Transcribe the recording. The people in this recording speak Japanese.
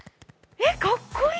えっ、かっこいい。